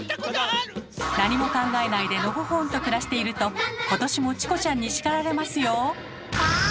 何も考えないでのほほんと暮らしていると今年もチコちゃんに叱られますよ。